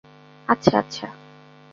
আচ্ছা, আচ্ছা!